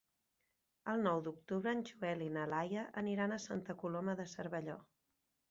El nou d'octubre en Joel i na Laia aniran a Santa Coloma de Cervelló.